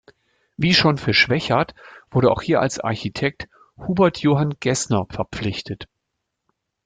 Wie schon für Schwechat wurde auch hier als Architekt Hubert Johann Gessner verpflichtet.